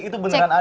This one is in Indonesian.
itu beneran ada